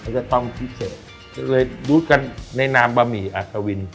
จะต้องพิเศษเลยรู้กันในนามบะหมี่อัศวิน